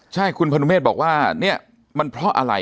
ใช่คุณพนุเมฆบอกว่าเนี่ยมันเพราะอะไร